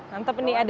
ganteng banget ya